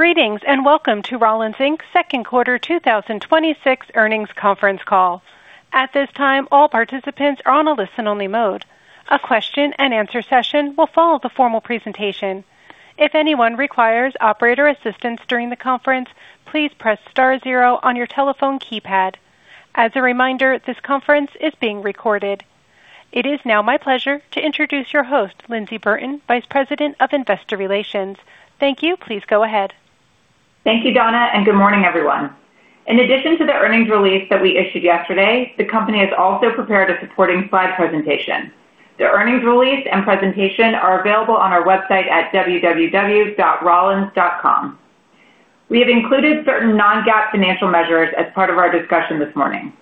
Greetings. Welcome to Rollins, Inc.'s second quarter 2026 earnings conference call. At this time, all participants are on a listen-only mode. A question and answer session will follow the formal presentation. If anyone requires operator assistance during the conference, please press star zero on your telephone keypad. As a reminder, this conference is being recorded. It is now my pleasure to introduce your host, Lyndsey Burton, Vice President of Investor Relations. Thank you. Please go ahead. Thank you, Donna. Good morning, everyone. In addition to the earnings release that we issued yesterday, the company has also prepared a supporting slide presentation. The earnings release and presentation are available on our website at www.rollins.com. We have included certain non-GAAP financial measures as part of our discussion this morning.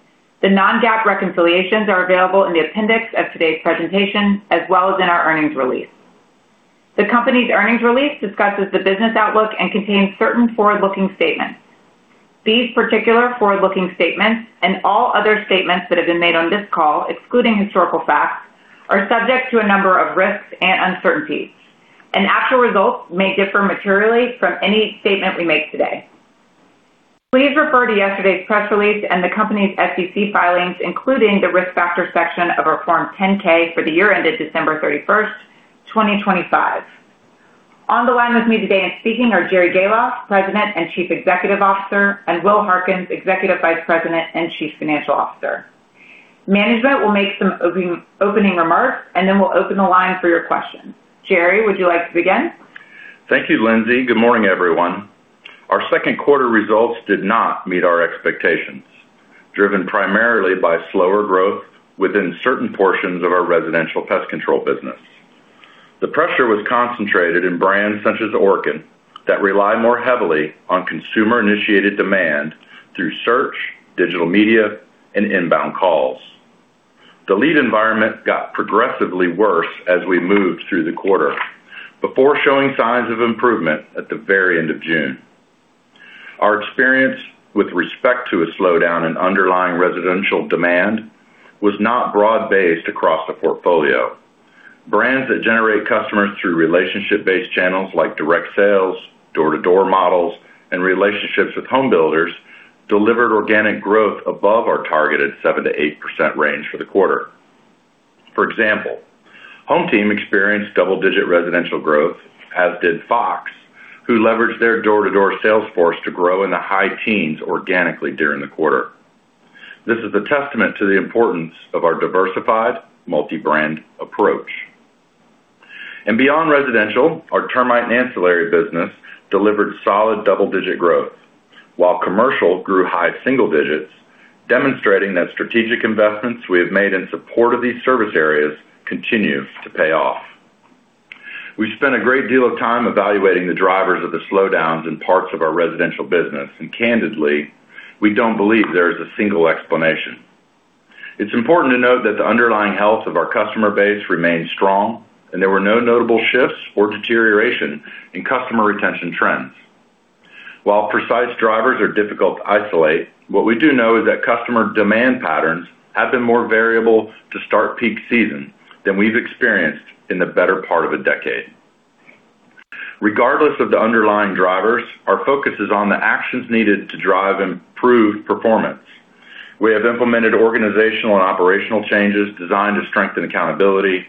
The non-GAAP reconciliations are available in the appendix of today's presentation as well as in our earnings release. The company's earnings release discusses the business outlook and contains certain forward-looking statements. These particular forward-looking statements, and all other statements that have been made on this call, excluding historical facts, are subject to a number of risks and uncertainties. Actual results may differ materially from any statement we make today. Please refer to yesterday's press release and the company's SEC filings, including the Risk Factors section of our Form 10-K for the year ended December 31st, 2025. On the line with me today and speaking are Jerry Gahlhoff, President and Chief Executive Officer, and Will Harkins, Executive Vice President and Chief Financial Officer. Management will make some opening remarks. Then we'll open the line for your questions. Jerry, would you like to begin? Thank you, Lyndsey. Good morning, everyone. Our second quarter results did not meet our expectations, driven primarily by slower growth within certain portions of our residential pest control business. The pressure was concentrated in brands such as Orkin that rely more heavily on consumer-initiated demand through search, digital media, and inbound calls. The lead environment got progressively worse as we moved through the quarter, before showing signs of improvement at the very end of June. Our experience with respect to a slowdown in underlying residential demand was not broad-based across the portfolio. Brands that generate customers through relationship-based channels like direct sales, door-to-door models, and relationships with home builders delivered organic growth above our targeted 7%-8% range for the quarter. For example, HomeTeam experienced double-digit residential growth, as did Fox, who leveraged their door-to-door sales force to grow in the high teens organically during the quarter. This is a testament to the importance of our diversified multi-brand approach. Beyond residential, our termite and ancillary business delivered solid double-digit growth. Commercial grew high single digits, demonstrating that strategic investments we have made in support of these service areas continue to pay off. We've spent a great deal of time evaluating the drivers of the slowdowns in parts of our residential business, candidly, we don't believe there is a single explanation. It's important to note that the underlying health of our customer base remains strong, there were no notable shifts or deterioration in customer retention trends. Precise drivers are difficult to isolate, what we do know is that customer demand patterns have been more variable to start peak season than we've experienced in the better part of a decade. Regardless of the underlying drivers, our focus is on the actions needed to drive improved performance. We have implemented organizational and operational changes designed to strengthen accountability,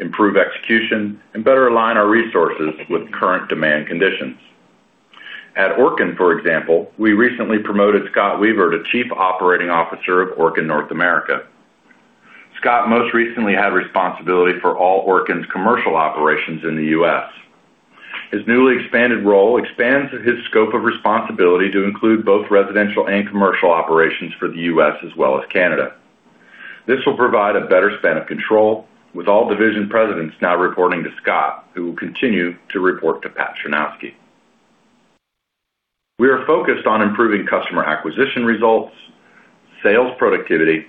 improve execution, and better align our resources with current demand conditions. At Orkin, for example, we recently promoted Scott Weaver to Chief Operating Officer of Orkin North America. Scott most recently had responsibility for all Orkin's commercial operations in the U.S. His newly expanded role expands his scope of responsibility to include both residential and commercial operations for the U.S. as well as Canada. This will provide a better span of control, with all division presidents now reporting to Scott, who will continue to report to Pat Chrzanowski. We are focused on improving customer acquisition results, sales productivity,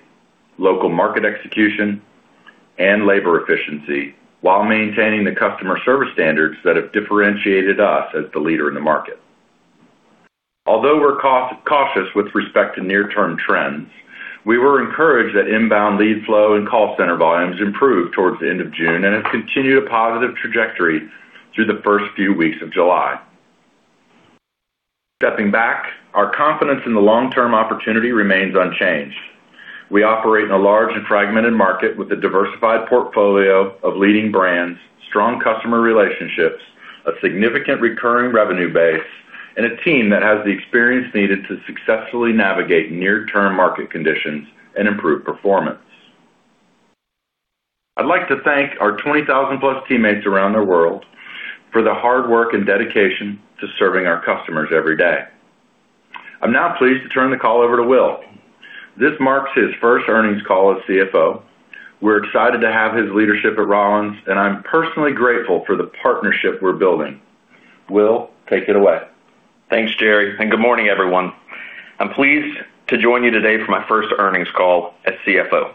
local market execution, and labor efficiency while maintaining the customer service standards that have differentiated us as the leader in the market. Although we're cautious with respect to near-term trends, we were encouraged that inbound lead flow and call center volumes improved towards the end of June and have continued a positive trajectory through the first few weeks of July. Stepping back, our confidence in the long-term opportunity remains unchanged. We operate in a large and fragmented market with a diversified portfolio of leading brands, strong customer relationships, a significant recurring revenue base, and a team that has the experience needed to successfully navigate near-term market conditions and improve performance. I'd like to thank our 20,000+ teammates around the world for their hard work and dedication to serving our customers every day. I'm now pleased to turn the call over to Will. This marks his first earnings call as CFO. We're excited to have his leadership at Rollins, and I'm personally grateful for the partnership we're building. Will, take it away. Thanks, Jerry, good morning, everyone. I'm pleased to join you today for my first earnings call as CFO.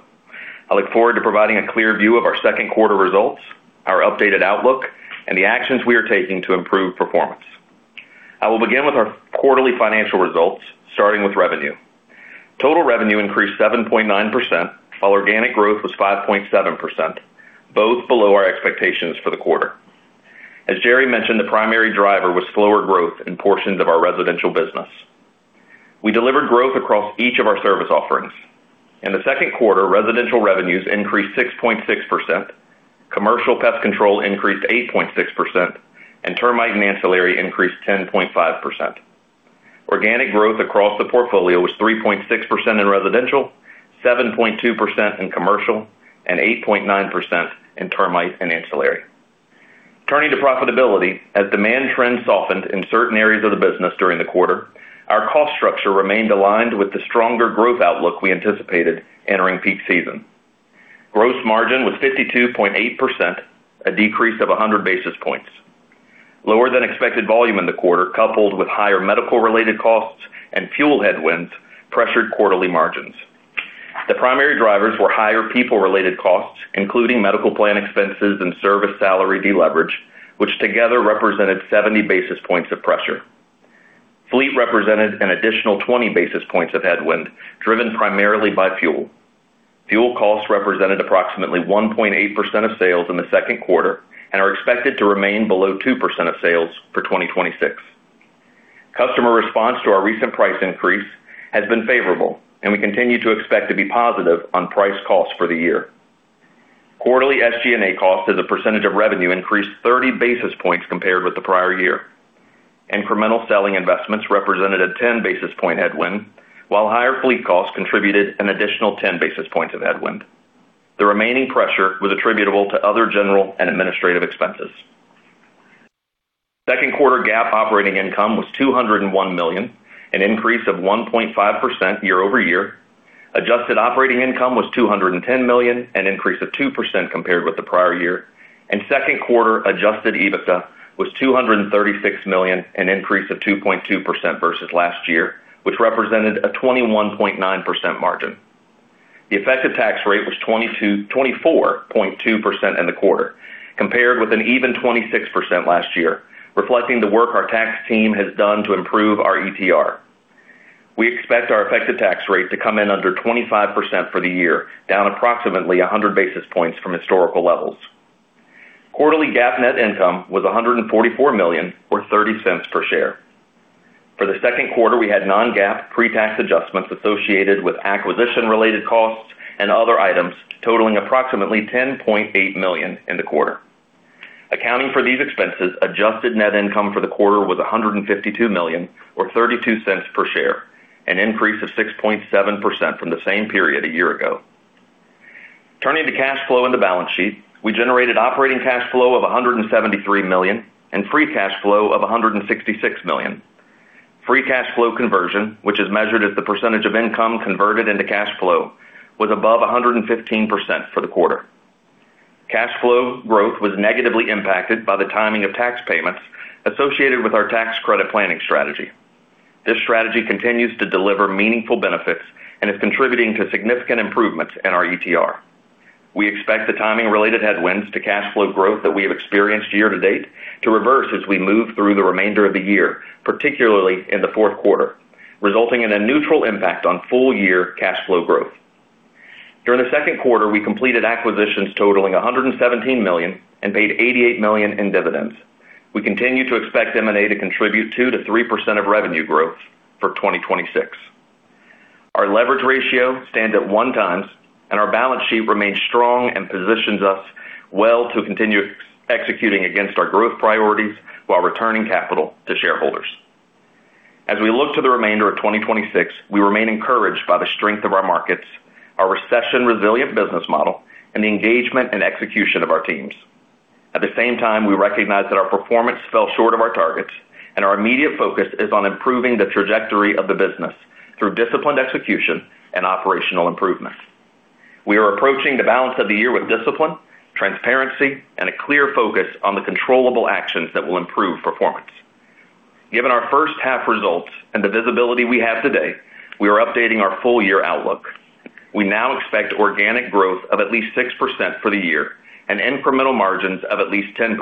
I look forward to providing a clear view of our second quarter results, our updated outlook, and the actions we are taking to improve performance. I will begin with our quarterly financial results, starting with revenue Total revenue increased 7.9%, while organic growth was 5.7%, both below our expectations for the quarter. As Jerry mentioned, the primary driver was slower growth in portions of our residential business. We delivered growth across each of our service offerings. In the second quarter, residential revenues increased 6.6%, commercial pest control increased 8.6%, and termite and ancillary increased 10.5%. Organic growth across the portfolio was 3.6% in residential, 7.2% in commercial, and 8.9% in termite and ancillary. Turning to profitability, as demand trends softened in certain areas of the business during the quarter, our cost structure remained aligned with the stronger growth outlook we anticipated entering peak season. Gross margin was 52.8%, a decrease of 100 basis points. Lower than expected volume in the quarter, coupled with higher medical-related costs and fuel headwinds, pressured quarterly margins. The primary drivers were higher people-related costs, including medical plan expenses and service salary de-leverage, which together represented 70 basis points of pressure. Fleet represented an additional 20 basis points of headwind, driven primarily by fuel. Fuel costs represented approximately 1.8% of sales in the second quarter and are expected to remain below 2% of sales for 2026. Customer response to our recent price increase has been favorable, and we continue to expect to be positive on price costs for the year. Quarterly SG&A costs as a percentage of revenue increased 30 basis points compared with the prior year. Incremental selling investments represented a 10-basis point headwind, while higher fleet costs contributed an additional 10 basis points of headwind. The remaining pressure was attributable to other general and administrative expenses. Second quarter GAAP operating income was $201 million, an increase of 1.5% year-over-year. Adjusted operating income was $210 million, an increase of 2% compared with the prior year. Second quarter adjusted EBITDA was $236 million, an increase of 2.2% versus last year, which represented a 21.9% margin. The effective tax rate was 24.2% in the quarter, compared with an even 26% last year, reflecting the work our tax team has done to improve our ETR. We expect our effective tax rate to come in under 25% for the year, down approximately 100 basis points from historical levels. Quarterly GAAP net income was $144 million or $0.30 per share. For the second quarter, we had non-GAAP pre-tax adjustments associated with acquisition-related costs and other items totaling approximately $10.8 million in the quarter. Accounting for these expenses, adjusted net income for the quarter was $152 million or $0.32 per share, an increase of 6.7% from the same period a year ago. Turning to cash flow and the balance sheet, we generated operating cash flow of $173 million and free cash flow of $166 million. Free cash flow conversion, which is measured as the percentage of income converted into cash flow, was above 115% for the quarter. Cash flow growth was negatively impacted by the timing of tax payments associated with our tax credit planning strategy. This strategy continues to deliver meaningful benefits and is contributing to significant improvements in our ETR. We expect the timing-related headwinds to cash flow growth that we have experienced year-to-date to reverse as we move through the remainder of the year, particularly in the fourth quarter, resulting in a neutral impact on full-year cash flow growth. During the second quarter, we completed acquisitions totaling $117 million and paid $88 million in dividends. We continue to expect M&A to contribute 2%-3% of revenue growth for 2026. Our leverage ratio stands at 1x, and our balance sheet remains strong and positions us well to continue executing against our growth priorities while returning capital to shareholders. As we look to the remainder of 2026, we remain encouraged by the strength of our markets, our recession-resilient business model, and the engagement and execution of our teams. At the same time, we recognize that our performance fell short of our targets, and our immediate focus is on improving the trajectory of the business through disciplined execution and operational improvement. We are approaching the balance of the year with discipline, transparency, and a clear focus on the controllable actions that will improve performance. Given our first half results and the visibility we have today, we are updating our full-year outlook. We now expect organic growth of at least 6% for the year and incremental margins of at least 10%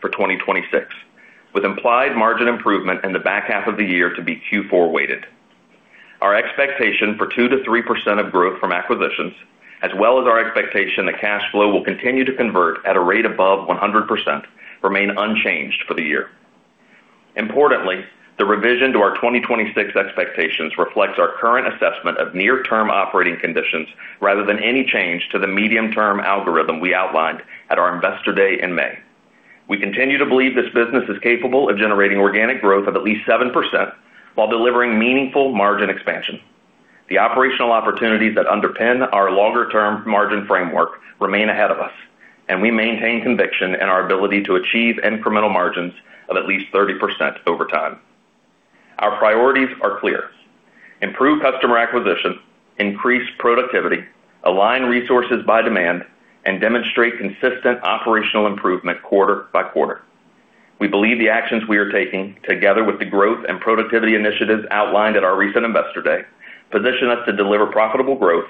for 2026, with implied margin improvement in the back half of the year to be Q4-weighted. Our expectation for 2%-3% of growth from acquisitions, as well as our expectation that cash flow will continue to convert at a rate above 100%, remain unchanged for the year. Importantly, the revision to our 2026 expectations reflects our current assessment of near-term operating conditions rather than any change to the medium-term algorithm we outlined at our Investor Day in May. We continue to believe this business is capable of generating organic growth of at least 7% while delivering meaningful margin expansion. The operational opportunities that underpin our longer-term margin framework remain ahead of us, and we maintain conviction in our ability to achieve incremental margins of at least 30% over time. Our priorities are clear: improve customer acquisition, increase productivity, align resources by demand, and demonstrate consistent operational improvement quarter by quarter. We believe the actions we are taking, together with the growth and productivity initiatives outlined at our recent Investor Day, position us to deliver profitable growth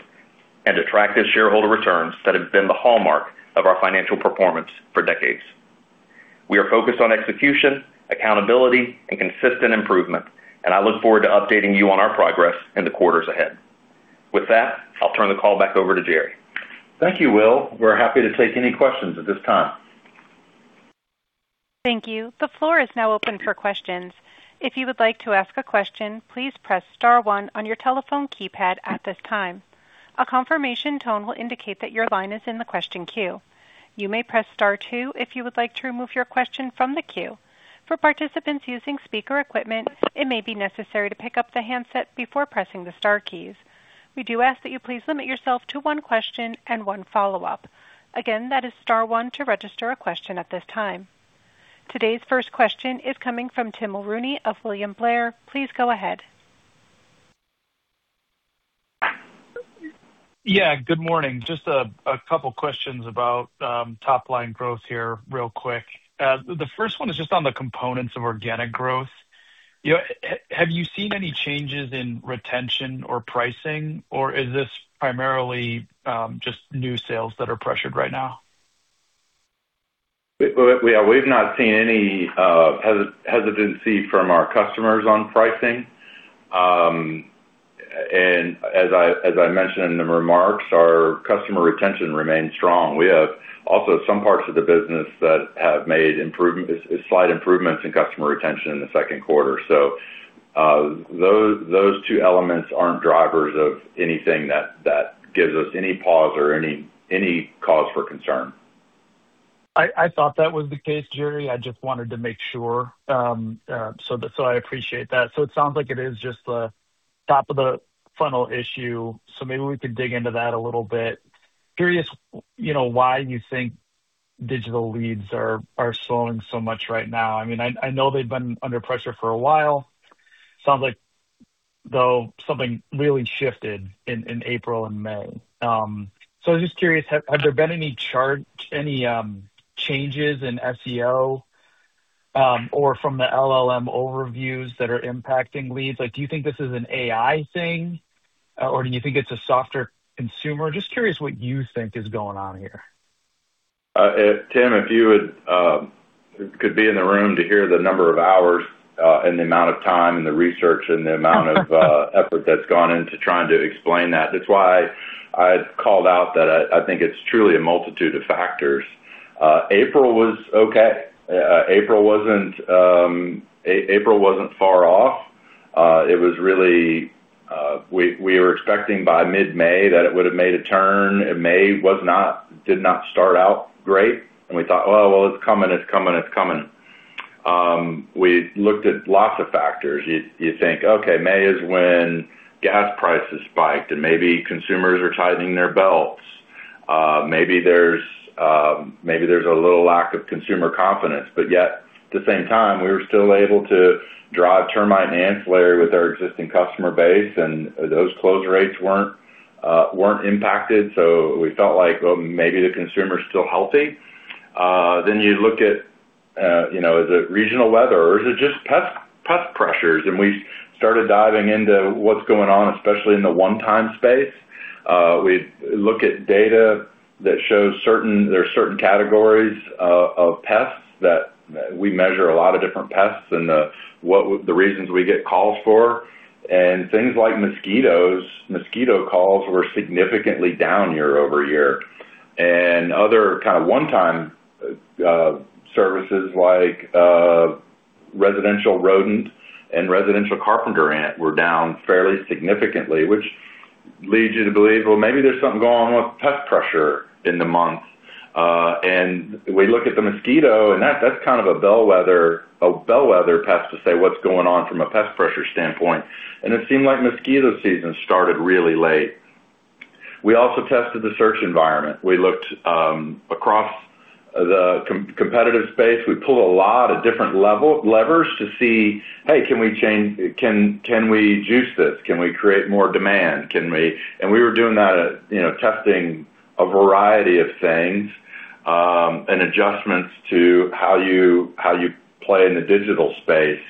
and attractive shareholder returns that have been the hallmark of our financial performance for decades. We are focused on execution, accountability, and consistent improvement, and I look forward to updating you on our progress in the quarters ahead. With that, I'll turn the call back over to Jerry. Thank you, Will. We're happy to take any questions at this time. Thank you. The floor is now open for questions. If you would like to ask a question, please press star one on your telephone keypad at this time. A confirmation tone will indicate that your line is in the question queue. You may press star two if you would like to remove your question from the queue. For participants using speaker equipment, it may be necessary to pick up the handset before pressing the star keys. We do ask that you please limit yourself to one question and one follow-up. Again, that is star one to register a question at this time. Today's first question is coming from Tim Mulrooney of William Blair. Please go ahead. Yeah, good morning. Just a couple questions about top-line growth here real quick. The first one is just on the components of organic growth. Have you seen any changes in retention or pricing, or is this primarily just new sales that are pressured right now? We've not seen any hesitancy from our customers on pricing. As I mentioned in the remarks, our customer retention remains strong. We have also some parts of the business that have made slight improvements in customer retention in the second quarter. Those two elements aren't drivers of anything that gives us any pause or any cause for concern. I thought that was the case, Jerry. I just wanted to make sure. I appreciate that. It sounds like it is just the top of the funnel issue. Maybe we could dig into that a little bit. Curious, why you think digital leads are slowing so much right now. I know they've been under pressure for a while. Sounds like, though, something really shifted in April and May. I was just curious, have there been any changes in SEO, or from the LLM overviews that are impacting leads? Do you think this is an AI thing, or do you think it's a softer consumer? Just curious what you think is going on here. Tim, if you could be in the room to hear the number of hours and the amount of time and the research and the amount of effort that's gone into trying to explain that. That's why I called out that I think it's truly a multitude of factors. April was okay. April wasn't far off. We were expecting by mid-May that it would have made a turn. May did not start out great, we thought, "Well, it's coming." We looked at lots of factors. You think May is when gas prices spiked and maybe consumers are tightening their belts. Maybe there's a little lack of consumer confidence, yet at the same time, we were still able to drive termite and ancillary with our existing customer base. Those close rates weren't impacted. We felt like maybe the consumer's still healthy. You look at, is it regional weather or is it just pest pressures? We started diving into what's going on, especially in the one-time space. We look at data that shows there are certain categories of pests, that we measure a lot of different pests and the reasons we get calls for. Things like mosquito calls were significantly down year-over-year. Other one-time services like residential rodent and residential carpenter ant were down fairly significantly, which leads you to believe, maybe there's something going on with pest pressure in the month. We look at the mosquito, that's a bellwether pest to say what's going on from a pest pressure standpoint. It seemed like mosquito season started really late. We also tested the search environment. We looked across the competitive space. We pulled a lot of different levers to see, hey, can we juice this? Can we create more demand? We were doing that, testing a variety of things, adjustments to how you play in the digital space.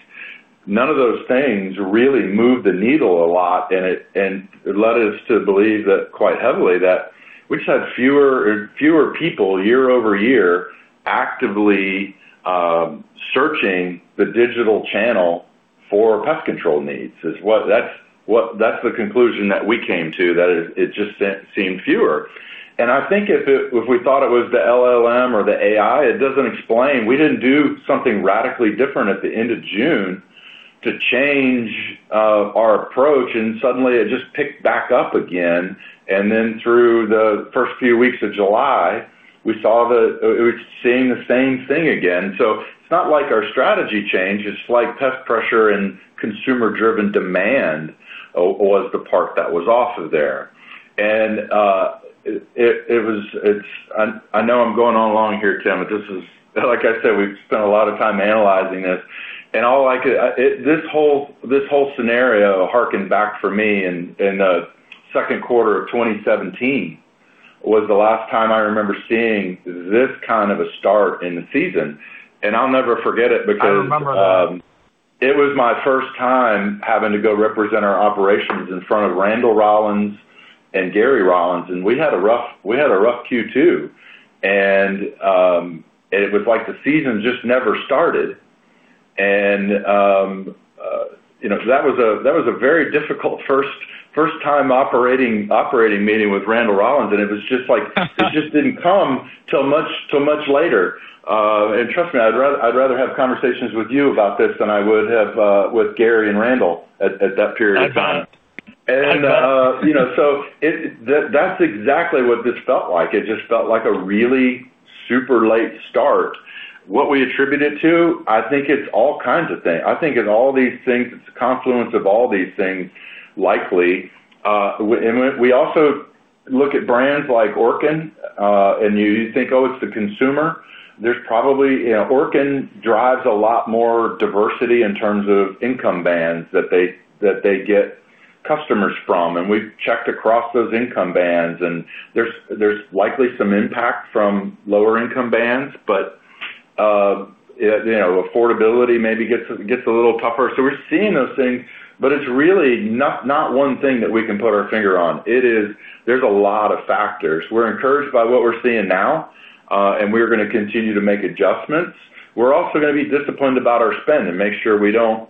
None of those things really moved the needle a lot. It led us to believe that quite heavily that we just had fewer people year-over-year actively searching the digital channel for pest control needs. That's the conclusion that we came to, that it just seemed fewer. I think if we thought it was the LLM or the AI, it doesn't explain. We didn't do something radically different at the end of June to change our approach, suddenly it just picked back up again. Through the first few weeks of July, we were seeing the same thing again. It's not like our strategy changed. It's like pest pressure and consumer-driven demand was the part that was off of there. I know I'm going on long here, Tim. Like I said, we've spent a lot of time analyzing this. This whole scenario hearkened back for me in the second quarter of 2017, was the last time I remember seeing this kind of a start in the season. I'll never forget it because- I remember. It was my first time having to go represent our operations in front of Randall Rollins and Gary Rollins. We had a rough Q2. It was like the season just never started. That was a very difficult first-time operating meeting with Randall Rollins, and it just didn't come till much later. Trust me, I'd rather have conversations with you about this than I would have with Gary and Randall at that period of time. That's fine. That's exactly what this felt like. It just felt like a really super late start. What we attribute it to, I think it's all kinds of things. I think it's a confluence of all these things, likely. We also look at brands like Orkin, and you think, oh, it's the consumer. Orkin drives a lot more diversity in terms of income bands that they get customers from, and we've checked across those income bands, and there's likely some impact from lower income bands, but affordability maybe gets a little tougher. We're seeing those things, but it's really not one thing that we can put our finger on. There's a lot of factors. We're encouraged by what we're seeing now, and we're going to continue to make adjustments. We're also going to be disciplined about our spend and make sure we don't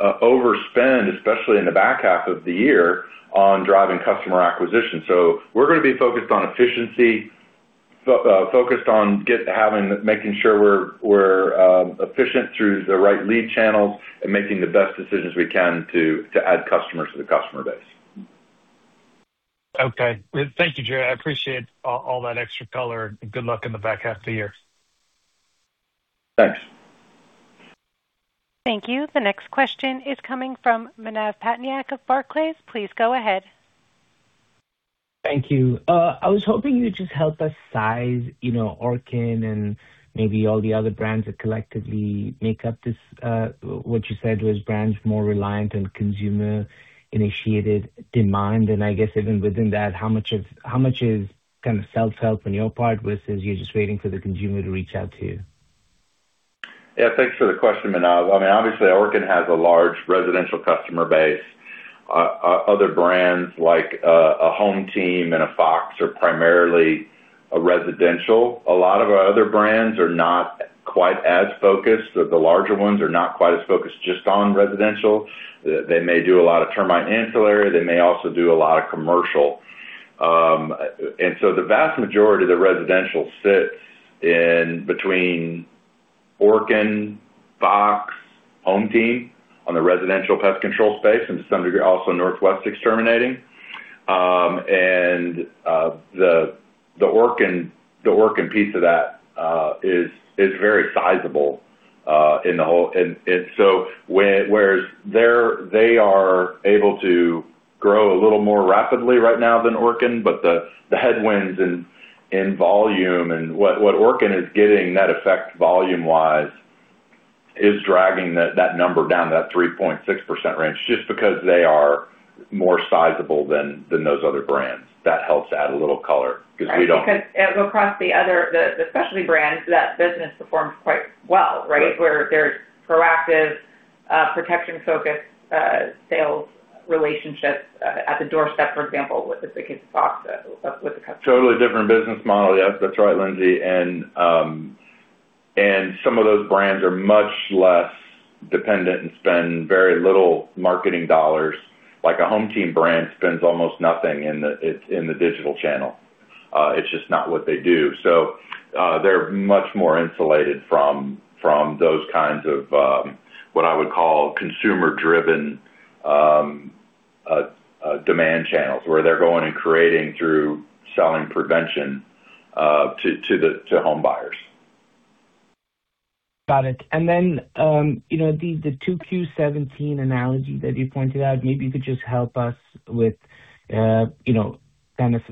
overspend, especially in the back half of the year, on driving customer acquisition. We're going to be focused on efficiency, focused on making sure we're efficient through the right lead channels and making the best decisions we can to add customers to the customer base. Okay. Thank you, Jerry. I appreciate all that extra color, and good luck in the back half of the year. Thanks. Thank you. The next question is coming from Manav Patnaik of Barclays. Please go ahead. Thank you. I was hoping you would just help us size Orkin and maybe all the other brands that collectively make up this, what you said was brands more reliant on consumer-initiated demand. I guess even within that, how much is kind of self-help on your part versus you're just waiting for the consumer to reach out to you? Thanks for the question, Manav. Obviously Orkin has a large residential customer base. Other brands like a HomeTeam and a Fox are primarily residential. A lot of our other brands are not quite as focused, or the larger ones are not quite as focused just on residential. They may do a lot of termite ancillary. They may also do a lot of commercial. So the vast majority of the residential sits in between Orkin, Fox, HomeTeam on the residential pest control space, and to some degree, also Northwest Exterminating. The Orkin piece of that is very sizable in the whole. So whereas they are able to grow a little more rapidly right now than Orkin, but the headwinds in volume and what Orkin is getting, net effect volume-wise, is dragging that number down to that 3.6% range, just because they are more sizable than those other brands. That helps add a little color because we don't- Across the specialty brands, that business performs quite well, right? Right. Where there's proactive, protection-focused sales relationships at the doorstep, for example, with the case of Fox with the customer. Totally different business model. Yes, that's right, Lyndsey. Some of those brands are much less dependent and spend very little marketing dollars. A HomeTeam brand spends almost nothing in the digital channel. It's just not what they do. They're much more insulated from those kinds of, what I would call consumer-driven demand channels, where they're going and creating through selling prevention to home buyers. Got it. The 2Q 2017 analogy that you pointed out, maybe you could just help us with what caused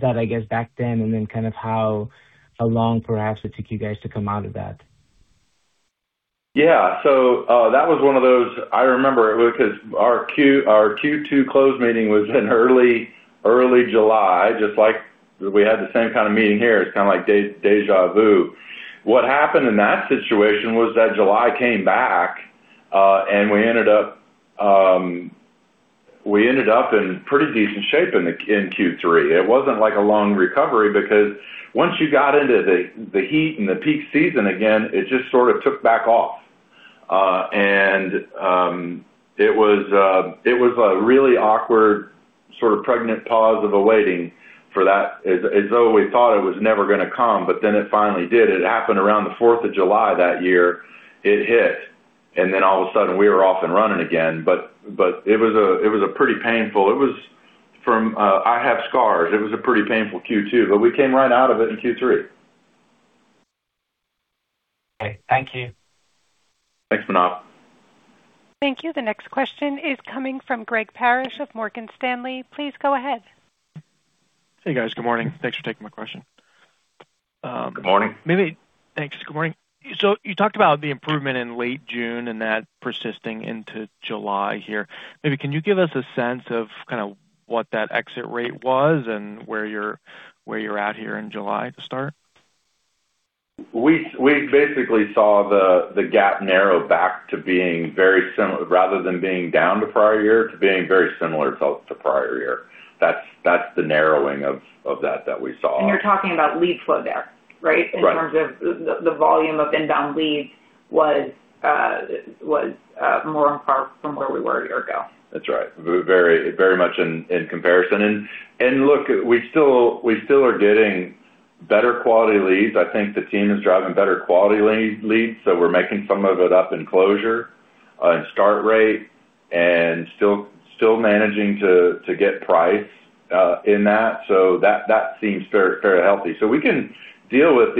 that, I guess, back then, and kind of how long, perhaps, it took you guys to come out of that? I remember it was because our Q2 close meeting was in early July, just like we had the same kind of meeting here. It's kind of like deja vu. What happened in that situation was that July came back, and we ended up in pretty decent shape in Q3. It wasn't like a long recovery because once you got into the heat and the peak season again, it just sort of took back off. It was a really awkward, sort of pregnant pause of awaiting for that, as though we thought it was never going to come, it finally did. It happened around the 4th of July that year. It hit, all of a sudden, we were off and running again. It was pretty painful. I have scars. It was a pretty painful Q2, we came right out of it in Q3. Okay. Thank you. Thanks, Manav. Thank you. The next question is coming from Greg Parrish of Morgan Stanley. Please go ahead. Hey, guys. Good morning. Thanks for taking my question. Good morning. Thanks. Good morning. You talked about the improvement in late June and that persisting into July here. Maybe can you give us a sense of kind of what that exit rate was and where you're at here in July to start? We basically saw the gap narrow back to being very similar, rather than being down to prior year, to being very similar to prior year. That's the narrowing of that we saw. You're talking about lead flow there, right? Right. In terms of the volume of inbound leads was more on par from where we were a year ago. That's right. Very much in comparison. Look, we still are getting better quality leads. I think the team is driving better quality leads, so we're making some of it up in closure, in start rate, and still managing to get price in that. That seems very healthy. We can deal with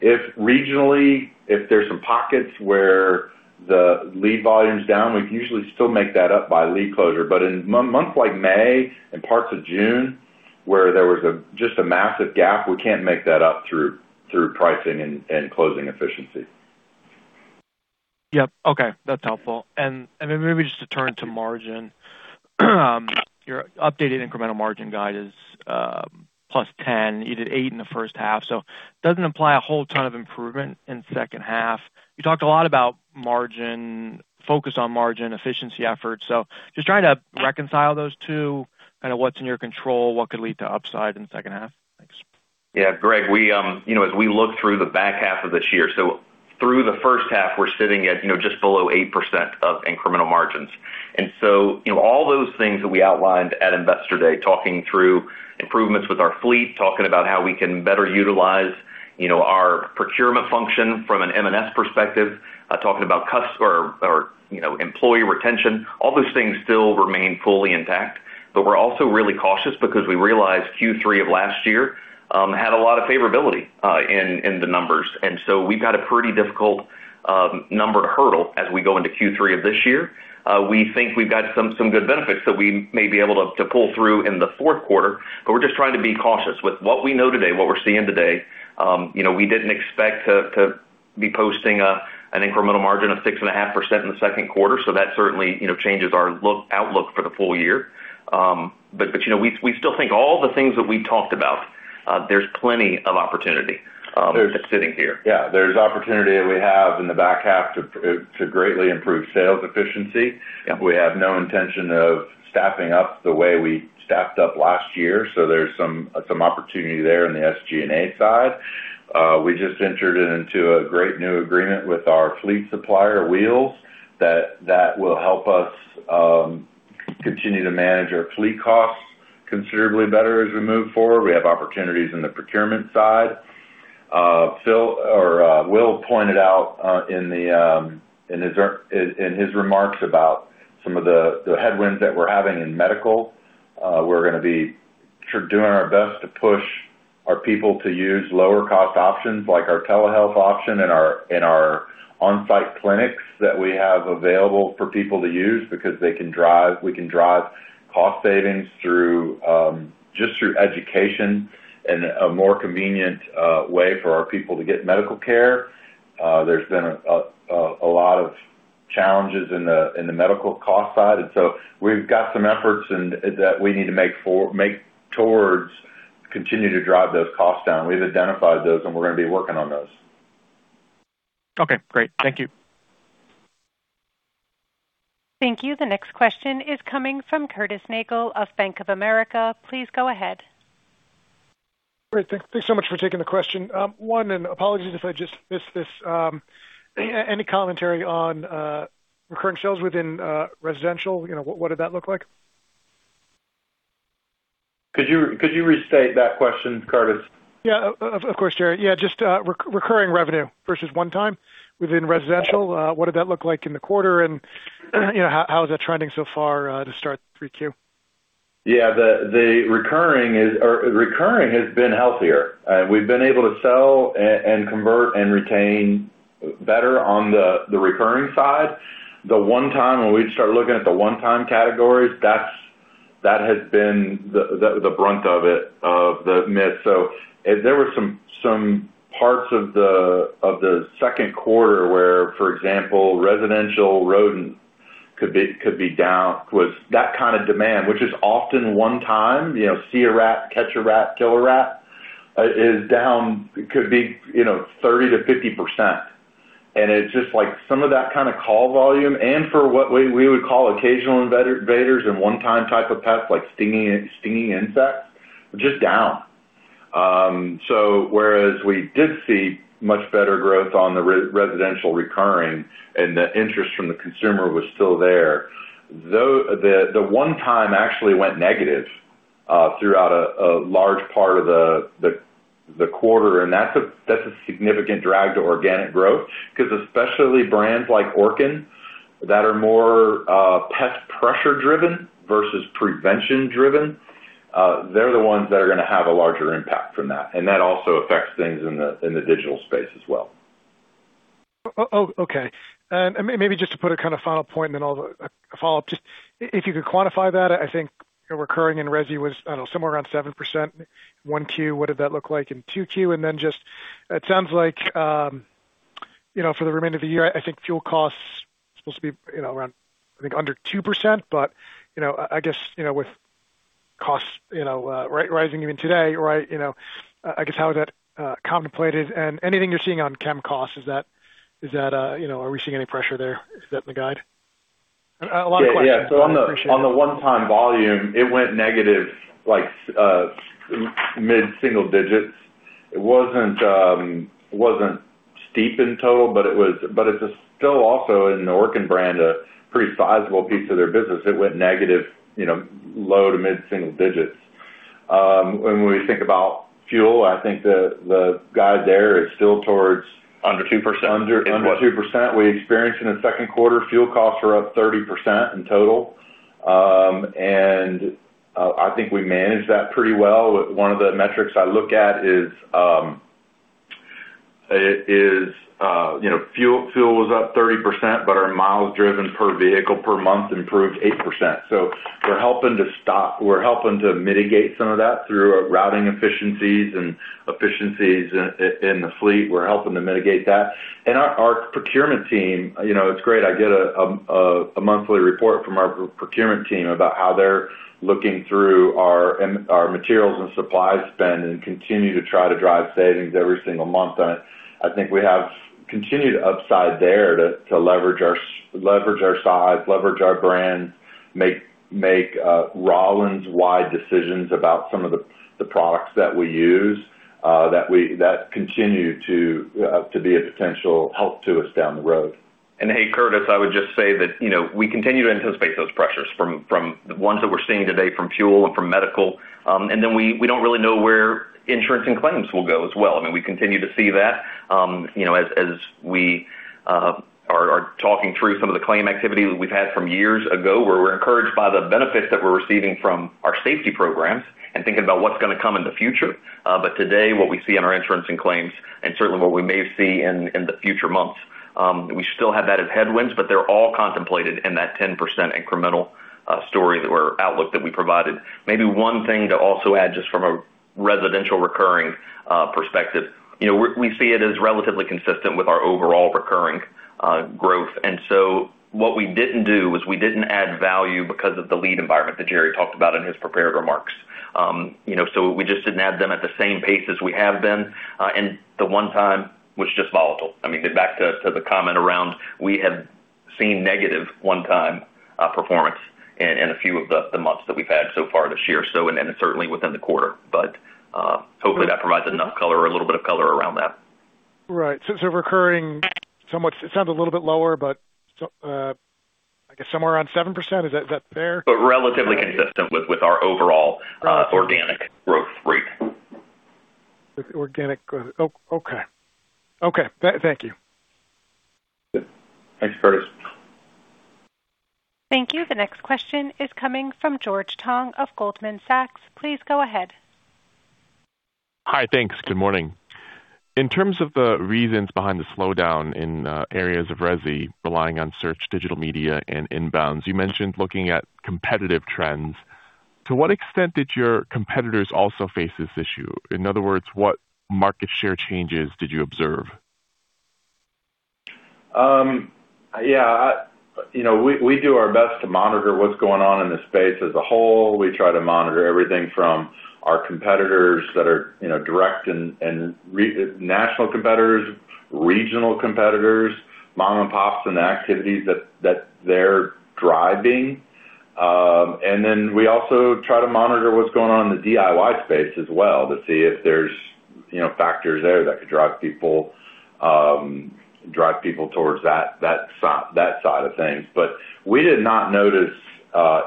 If regionally there's some pockets where the lead volume's down, we can usually still make that up by lead closure. In months like May and parts of June, where there was just a massive gap, we can't make that up through pricing and closing efficiency. Yep. Okay, that's helpful. Then maybe just to turn to margin. Your updated incremental margin guide is +10%. You did 8% in the first half, doesn't imply a whole ton of improvement in second half. You talked a lot about margin, focus on margin efficiency efforts. Just trying to reconcile those two, kind of what's in your control, what could lead to upside in the second half. Thanks. Yeah, Greg, as we look through the back half of this year, through the first half, we're sitting at just below 8% of incremental margins. All those things that we outlined at Investor Day, talking through improvements with our fleet, talking about how we can better utilize our procurement function from an M&S perspective, talking about employee retention, all those things still remain fully intact. We're also really cautious because we realized Q3 of last year had a lot of favorability in the numbers. We've got a pretty difficult number to hurdle as we go into Q3 of this year. We think we've got some good benefits that we may be able to pull through in the fourth quarter, we're just trying to be cautious. With what we know today, what we're seeing today, we didn't expect to be posting an incremental margin of 6.5% in the second quarter. That certainly changes our outlook for the full year. We still think all the things that we talked about, there's plenty of opportunity sitting here. Yeah. There's opportunity that we have in the back half to greatly improve sales efficiency. Yep. We have no intention of staffing up the way we staffed up last year. There's some opportunity there in the SG&A side. We just entered into a great new agreement with our fleet supplier, Wheels, that will help us continue to manage our fleet costs considerably better as we move forward. We have opportunities in the procurement side. Will pointed out in his remarks about some of the headwinds that we're having in medical. We're going to be doing our best to push our people to use lower cost options like our telehealth option and our on-site clinics that we have available for people to use because we can drive cost savings just through education and a more convenient way for our people to get medical care. There's been a lot of challenges in the medical cost side. We've got some efforts that we need to make towards continuing to drive those costs down. We've identified those. We're going to be working on those. Okay, great. Thank you. Thank you. The next question is coming from Curtis Nagle of Bank of America. Please go ahead. Great. Thanks so much for taking the question. One, apologies if I just missed this, any commentary on recurring sales within residential? What did that look like? Could you restate that question, Curtis? Yeah, of course, Jerry. Recurring revenue versus one time within residential, what did that look like in the quarter, and how is that trending so far to start 3Q? Yeah. The recurring has been healthier. We've been able to sell and convert and retain better on the recurring side. The one time, when we start looking at the one-time categories, that has been the brunt of it, of the miss. There were some parts of the second quarter where, for example, residential rodents could be down. That kind of demand, which is often one time, see a rat, catch a rat, kill a rat, is down, could be 30%-50%. It's just like some of that kind of call volume and for what we would call occasional invaders and one time type of pests like stinging insects, just down. Whereas we did see much better growth on the residential recurring and the interest from the consumer was still there, the one time actually went negative throughout a large part of the quarter, and that's a significant drag to organic growth because especially brands like Orkin that are more pest pressure driven versus prevention driven, they're the ones that are going to have a larger impact from that. That also affects things in the digital space as well. Okay. Maybe just to put a kind of final point and then I'll follow up. If you could quantify that, I think recurring in resi was, I don't know, somewhere around 7% 1Q. What did that look like in 2Q? Then just it sounds like for the remainder of the year, I think fuel costs are supposed to be around, I think under 2%. I guess with costs rising even today, right? I guess how is that contemplated? Anything you're seeing on chem costs, are we seeing any pressure there? Is that in the guide? A lot of questions, I appreciate it. Yeah. On the one-time volume, it went negative mid-single digits. It wasn't steep in total, but it's still also, in the Orkin brand, a pretty sizable piece of their business. It went negative low to mid-single digits. When we think about fuel, I think the guide there is still towards. Under 2%. Under 2%. We experienced in the second quarter, fuel costs are up 30% in total. I think we managed that pretty well. One of the metrics I look at is, fuel was up 30%, but our miles driven per vehicle per month improved 8%. We're helping to mitigate some of that through routing efficiencies and efficiencies in the fleet. We're helping to mitigate that. Our procurement team, it's great. I get a monthly report from our procurement team about how they're looking through our materials and supply spend and continue to try to drive savings every single month on it. I think we have continued upside there to leverage our size, leverage our brand, make Rollins-wide decisions about some of the products that we use, that continue to be a potential help to us down the road. Hey, Curtis, I would just say that we continue to anticipate those pressures from the ones that we're seeing today from fuel and from medical. We don't really know where insurance and claims will go as well. We continue to see that as we are talking through some of the claim activity that we've had from years ago, where we're encouraged by the benefits that we're receiving from our safety programs and thinking about what's going to come in the future. Today, what we see in our insurance and claims, and certainly what we may see in the future months, we still have that as headwinds, but they're all contemplated in that 10% incremental story or outlook that we provided. Maybe one thing to also add, just from a residential recurring perspective, we see it as relatively consistent with our overall recurring growth. What we didn't do was we didn't add value because of the lead environment that Jerry talked about in his prepared remarks. We just didn't add them at the same pace as we have been. The one time was just volatile. Back to the comment around, we have seen negative one-time performance in a few of the months that we've had so far this year, and then certainly within the quarter. Hopefully that provides enough color or a little bit of color around that. Right. Recurring, it sounds a little bit lower, but I guess somewhere around 7%, is that fair? Relatively consistent with our overall organic growth rate. With organic growth. Okay. Thank you. Good. Thanks, Curtis. Thank you. The next question is coming from George Tong of Goldman Sachs. Please go ahead. Hi. Thanks. Good morning. In terms of the reasons behind the slowdown in areas of resi relying on search, digital media, and inbounds, you mentioned looking at competitive trends. To what extent did your competitors also face this issue? In other words, what market share changes did you observe? Yeah. We do our best to monitor what's going on in the space as a whole. We try to monitor everything from our competitors that are direct and national competitors, regional competitors, mom and pops, and the activities that they're driving. Then we also try to monitor what's going on in the DIY space as well to see if there's factors there that could drive people towards that side of things. We did not notice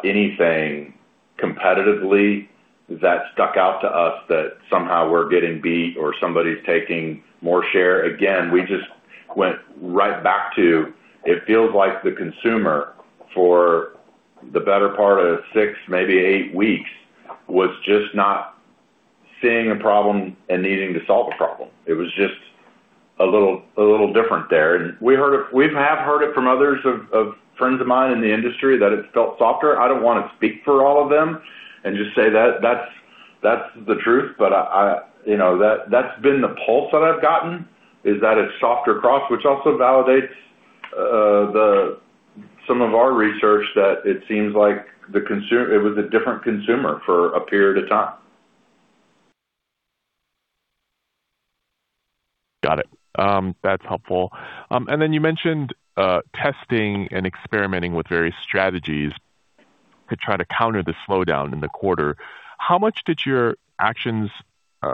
anything competitively that stuck out to us that somehow we're getting beat or somebody's taking more share. Again, we just went right back to, it feels like the consumer, for the better part of six, maybe eight weeks, was just not seeing a problem and needing to solve a problem. It was just a little different there. We have heard it from others, of friends of mine in the industry, that it felt softer. I don't want to speak for all of them and just say that's the truth, that's been the pulse that I've gotten, is that it's softer across, which also validates some of our research that it seems like it was a different consumer for a period of time. Got it. That's helpful. Then you mentioned testing and experimenting with various strategies to try to counter the slowdown in the quarter. How much did your actions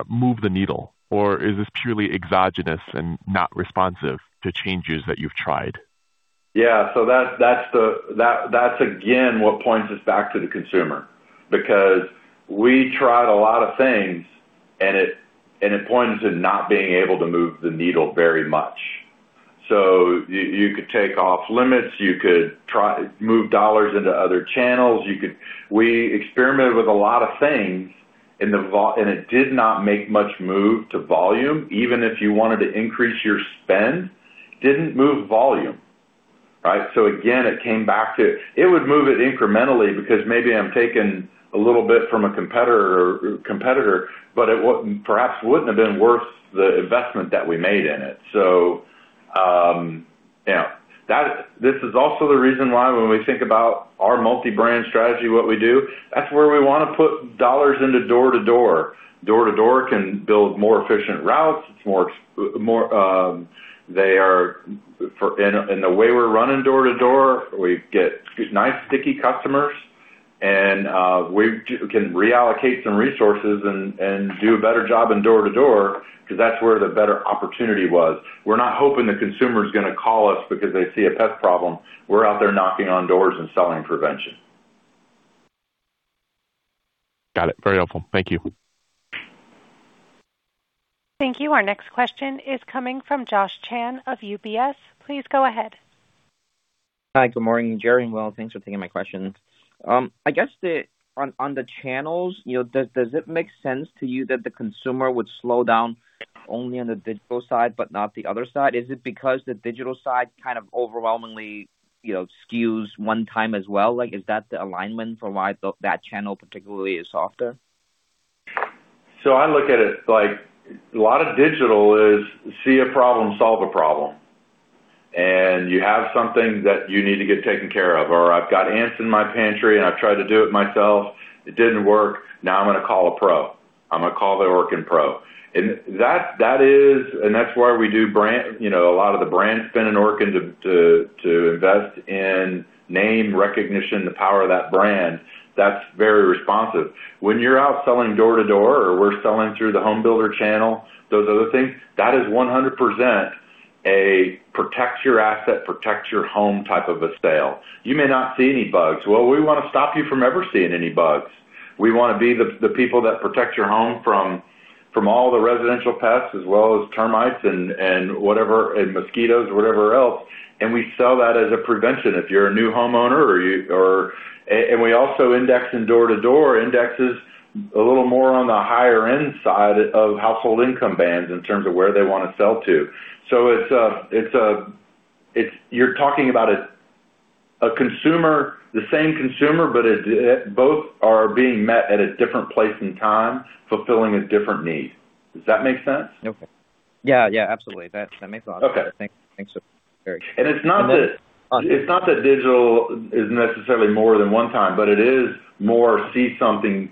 move the needle? Is this purely exogenous and not responsive to changes that you've tried? Yeah. That's again, what points us back to the consumer. We tried a lot of things, it points to not being able to move the needle very much. You could take off limits, you could move dollars into other channels. We experimented with a lot of things, it did not make much move to volume, even if you wanted to increase your spend, didn't move volume. Right? Again, it came back to, it would move it incrementally because maybe I'm taking a little bit from a competitor, it perhaps wouldn't have been worth the investment that we made in it. This is also the reason why when we think about our multi-brand strategy, what we do, that's where we want to put dollars into door-to-door. Door-to-door can build more efficient routes. The way we're running door-to-door, we get nice sticky customers, we can reallocate some resources and do a better job in door-to-door because that's where the better opportunity was. We're not hoping the consumer is going to call us because they see a pest problem. We're out there knocking on doors and selling prevention. Got it. Very helpful. Thank you. Thank you. Our next question is coming from Josh Chan of UBS. Please go ahead. Hi, good morning, Jerry and Will. Thanks for taking my questions. I guess on the channels, does it make sense to you that the consumer would slow down only on the digital side but not the other side? Is it because the digital side kind of overwhelmingly skews one time as well? Is that the alignment for why that channel particularly is softer? I look at it like a lot of digital is see a problem, solve a problem, and you have something that you need to get taken care of, or I've got ants in my pantry, and I've tried to do it myself. It didn't work. Now I'm going to call a pro. I'm going to call the Orkin pro. That's why we do a lot of the brand spend in Orkin to invest in name recognition, the power of that brand. That's very responsive. When you're out selling door-to-door, or we're selling through the home builder channel, those other things, that is 100% a protect your asset, protect your home type of a sale. You may not see any bugs. Well, we want to stop you from ever seeing any bugs. We want to be the people that protect your home from all the residential pests as well as termites and mosquitoes or whatever else. We sell that as a prevention. If you're a new homeowner, we also index in door-to-door indexes a little more on the higher-end side of household income bands in terms of where they want to sell to. You're talking about the same consumer, but both are being met at a different place and time, fulfilling a different need. Does that make sense? Yeah. Absolutely. That makes a lot of sense. Okay. Thanks. Appreciate it. It's not that digital is necessarily more than one time, but it is more see something,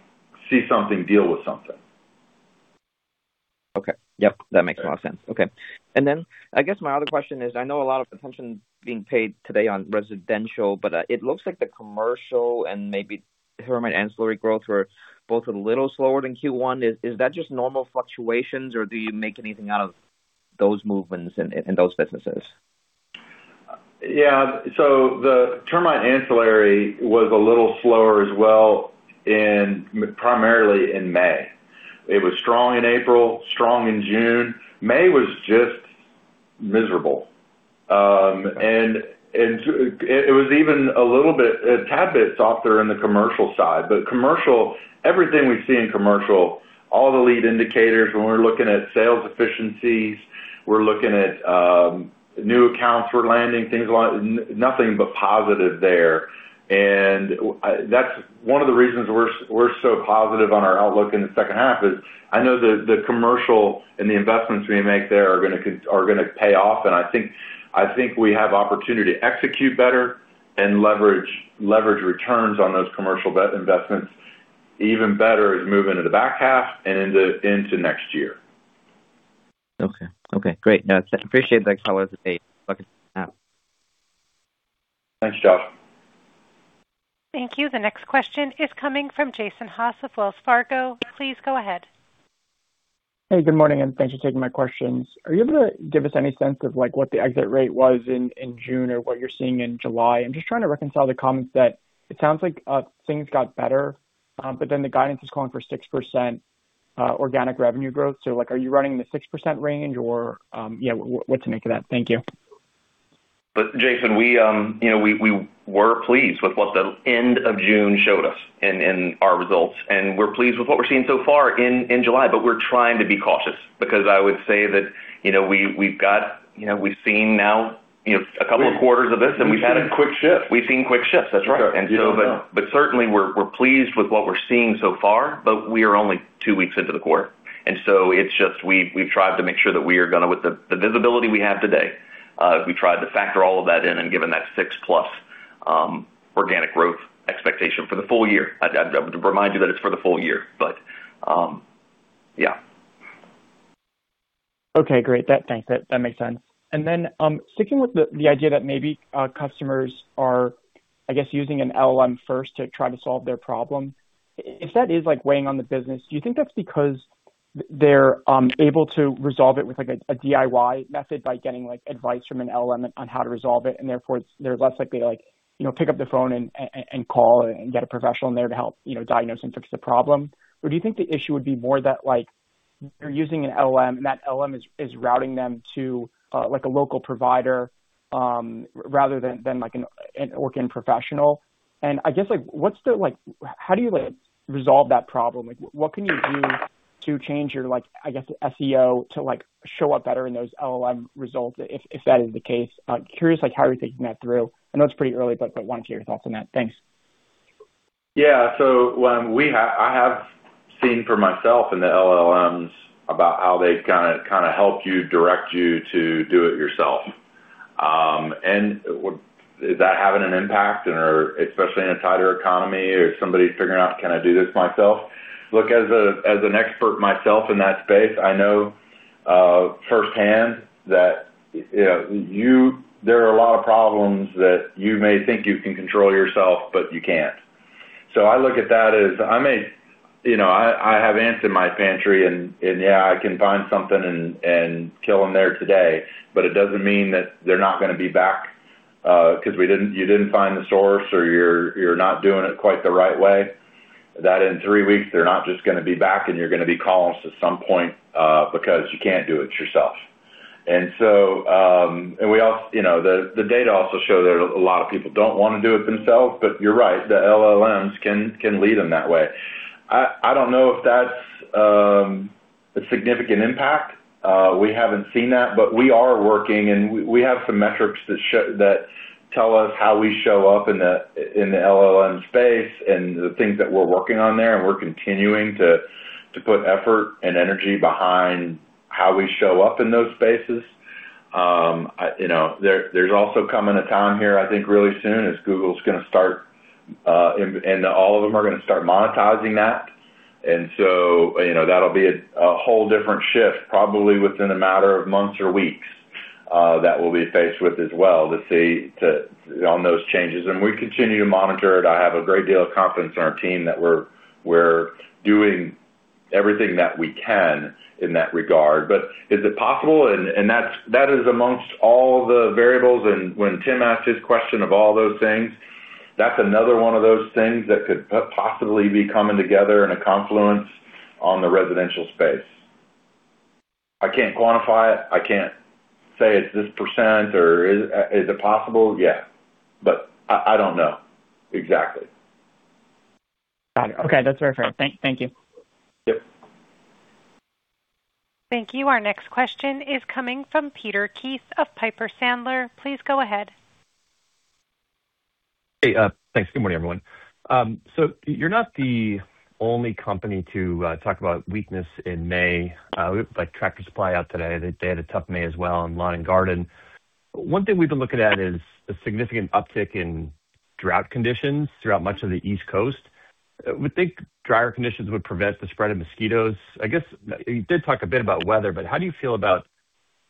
deal with something. I guess my other question is, I know a lot of attention is being paid today on residential, but it looks like the commercial and maybe termite ancillary growth were both a little slower than Q1. Is that just normal fluctuations, or do you make anything out of those movements in those businesses? The termite ancillary was a little slower as well, primarily in May. It was strong in April, strong in June. May was just miserable. It was even a little bit, a tad bit softer in the commercial side. Everything we see in commercial, all the lead indicators when we're looking at sales efficiencies, we're looking at new accounts we're landing. Nothing but positive there. That's one of the reasons we're so positive on our outlook in the second half is I know the commercial and the investments we make there are going to pay off, and I think we have opportunity to execute better and leverage returns on those commercial investments even better as we move into the back half and into next year. Okay. Great. I appreciate the color of the day. Looking forward to seeing the app. Thanks, Josh. Thank you. The next question is coming from Jason Haas with Wells Fargo. Please go ahead. Hey, good morning, and thanks for taking my questions. Are you able to give us any sense of what the exit rate was in June or what you're seeing in July? I'm just trying to reconcile the comments that it sounds like things got better, but then the guidance is calling for 6% organic revenue growth. Are you running in the 6% range or what to make of that? Thank you. Jason, we were pleased with what the end of June showed us in our results, and we're pleased with what we're seeing so far in July. We're trying to be cautious because I would say that we've seen now a couple of quarters of this, and we've had. We've seen quick shifts. We've seen quick shifts. That's right. That's right and certainly, we're pleased with what we're seeing so far, but we are only two weeks into the quarter. It's just we've tried to make sure that with the visibility we have today, we tried to factor all of that in and given that six plus organic growth expectation for the full year. I'd remind you that it's for the full year. Yeah. Okay, great. Thanks. That makes sense. Then, sticking with the idea that maybe customers are, I guess, using an LLM first to try to solve their problem. If that is weighing on the business, do you think that's because they're able to resolve it with a DIY method by getting advice from an LLM on how to resolve it, and therefore they're less likely to pick up the phone and call and get a professional in there to help diagnose and fix the problem? Or do you think the issue would be more that they're using an LLM, and that LLM is routing them to a local provider rather than an Orkin professional? I guess, how do you resolve that problem? What can you do to change your, I guess, SEO to show up better in those LLM results, if that is the case? Curious how you're thinking that through. I know it's pretty early, but wanted to hear your thoughts on that. Thanks. Yeah. I have seen for myself in the LLMs about how they've kind of helped you, direct you to do it yourself. Is that having an impact and/or especially in a tighter economy or somebody figuring out, can I do this myself? Look, as an expert myself in that space, I know firsthand that there are a lot of problems that you may think you can control yourself, but you can't. I look at that as I have ants in my pantry, and yeah, I can find something and kill them there today, but it doesn't mean that they're not going to be back, because you didn't find the source or you're not doing it quite the right way. That in three weeks, they're not just going to be back and you're going to be calling us at some point, because you can't do it yourself. The data also show that a lot of people don't want to do it themselves, but you're right, the LLMs can lead them that way. I don't know if that's a significant impact. We haven't seen that, but we are working, and we have some metrics that tell us how we show up in the LLM space and the things that we're working on there, and we're continuing to put effort and energy behind how we show up in those spaces. There's also coming a time here, I think really soon, as Google's going to start, and all of them are going to start monetizing that. That'll be a whole different shift, probably within a matter of months or weeks, that we'll be faced with as well to see on those changes. We continue to monitor it. I have a great deal of confidence in our team that we're doing everything that we can in that regard. Is it possible? That is amongst all the variables, and when Tim asked his question of all those things, that's another one of those things that could possibly be coming together in a confluence on the residential space. I can't quantify it. I can't say it's this percent or is it possible? Yeah. I don't know exactly. Got it. Okay. That's very fair. Thank you. Yep. Thank you. Our next question is coming from Peter Keith of Piper Sandler. Please go ahead. Hey. Thanks. Good morning, everyone. You're not the only company to talk about weakness in May. We looked at Tractor Supply out today. They had a tough May as well in lawn and garden. One thing we've been looking at is the significant uptick in drought conditions throughout much of the East Coast. We think drier conditions would prevent the spread of mosquitoes. I guess you did talk a bit about weather, but how do you feel about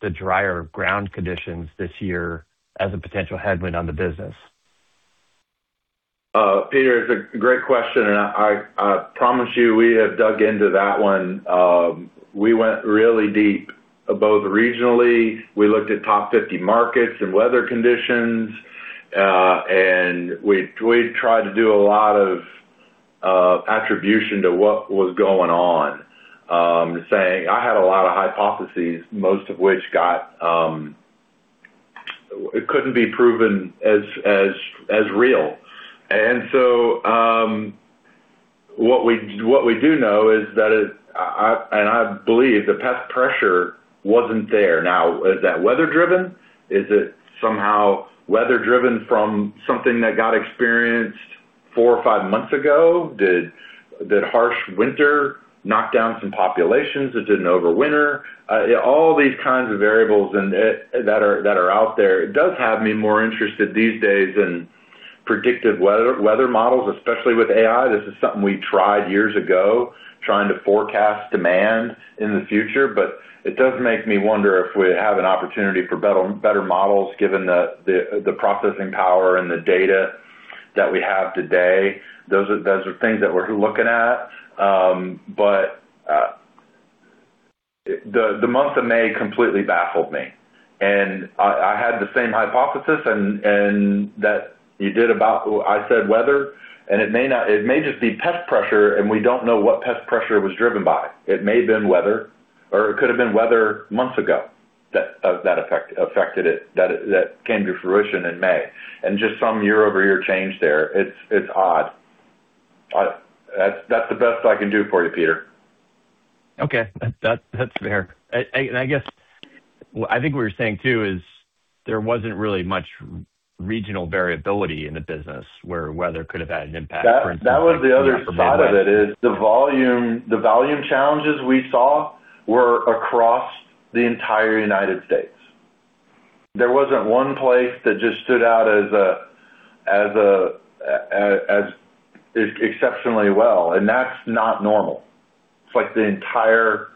the drier ground conditions this year as a potential headwind on the business? Peter, it's a great question. I promise you, we have dug into that one. We went really deep, both regionally. We looked at top 50 markets and weather conditions. We tried to do a lot of attribution to what was going on, saying I had a lot of hypotheses, most of which couldn't be proven as real. What we do know is that, I believe the pest pressure wasn't there. Now, is that weather driven? Is it somehow weather driven from something that got experienced four or five months ago? Did harsh winter knock down some populations that didn't overwinter? All these kinds of variables that are out there. It does have me more interested these days in predictive weather models, especially with AI. This is something we tried years ago, trying to forecast demand in the future. It does make me wonder if we have an opportunity for better models given the processing power and the data that we have today. Those are things that we're looking at. The month of May completely baffled me, and I had the same hypothesis that you did about, I said weather, and it may just be pest pressure, and we don't know what pest pressure was driven by. It may have been weather, or it could have been weather months ago that affected it, that came to fruition in May. Just some year-over-year change there. It's odd. That's the best I can do for you, Peter. Okay. That's fair. I guess, I think what you're saying too is there wasn't really much regional variability in the business where weather could have had an impact, for instance. That was the other side of it is the volume challenges we saw were across the entire U.S. There wasn't one place that just stood out as exceptionally well, and that's not normal. It's like the entire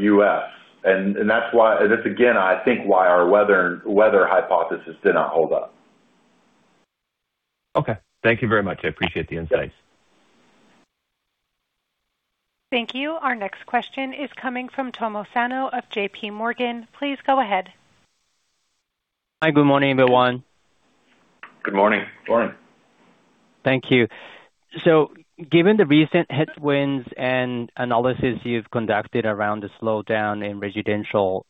U.S., and that's why, again, I think why our weather hypothesis did not hold up. Okay. Thank you very much. I appreciate the insights. Thank you. Our next question is coming from Tomo Sano of JPMorgan. Please go ahead. Hi. Good morning, everyone. Good morning. Good morning. Thank you. Given the recent headwinds and analysis you've conducted around the slowdown in residential,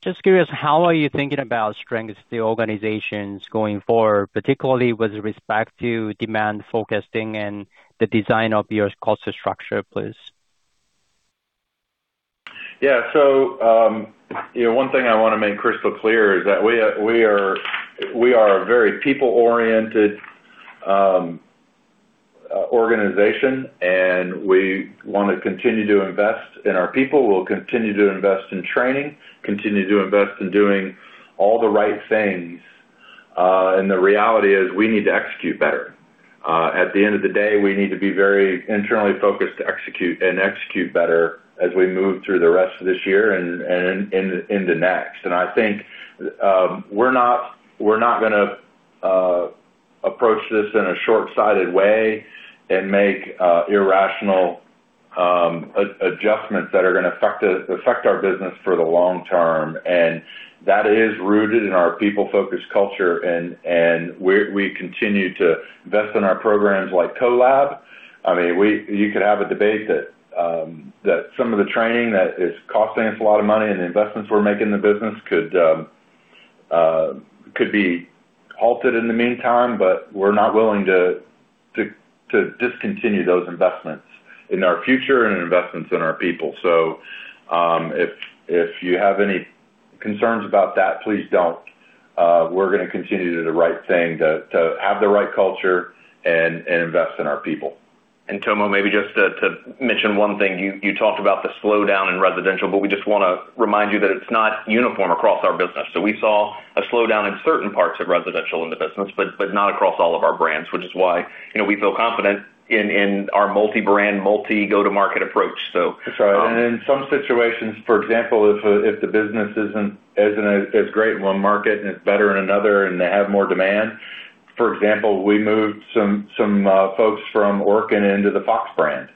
just curious, how are you thinking about strengths the organization's going forward, particularly with respect to demand forecasting and the design of your cost structure, please? Yeah. One thing I want to make crystal clear is that we are a very people-oriented organization, and we want to continue to invest in our people. We'll continue to invest in training, continue to invest in doing all the right things. The reality is, we need to execute better. At the end of the day, we need to be very internally focused to execute and execute better as we move through the rest of this year and into next. I think we're not going to approach this in a short-sighted way and make irrational adjustments that are going to affect our business for the long term, and that is rooted in our people-focused culture, and we continue to invest in our programs like CoLab. You could have a debate that some of the training that is costing us a lot of money and the investments we're making in the business could be halted in the meantime, we're not willing to discontinue those investments in our future and investments in our people. If you have any concerns about that, please don't. We're going to continue to do the right thing, to have the right culture and invest in our people. Tomo, maybe just to mention one thing, you talked about the slowdown in residential, we just want to remind you that it's not uniform across our business. We saw a slowdown in certain parts of residential in the business, not across all of our brands, which is why we feel confident in our multi-brand, multi-go-to-market approach. That's right. In some situations, for example, if the business isn't as great in one market and it's better in another, and they have more demand. For example, we moved some folks from Orkin into the Fox brand,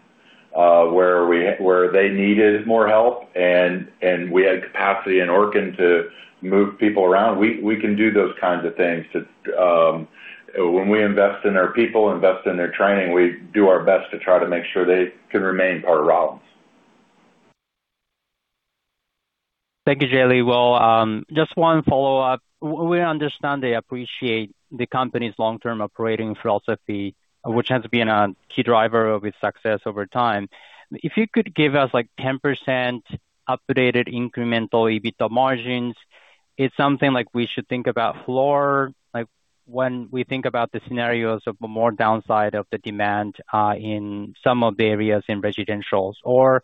where they needed more help and e had capacity in Orkin to move people around. We can do those kinds of things when we invest in our people, invest in their training, we do our best to try to make sure they can remain part of Rollins. Thank you, Jerry. Will, just one follow-up. We understand they appreciate the company's long-term operating philosophy, which has been a key driver of its success over time. If you could give us 10% updated incremental EBITDA margins, it's something like we should think about floor, like when we think about the scenarios of more downside of the demand in some of the areas in residentials or